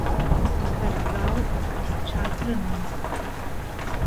ههرزاڵ چاتره له ماڵێ